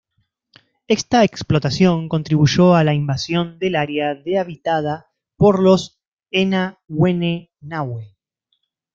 Esta explotación contribuyó a la invasión del área de habitada por los Ena-wene-nawê.